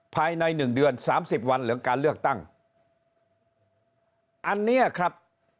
ภายในหนึ่งเดือนสามสิบวันเหลืองการเลือกตั้งอันเนี้ยครับ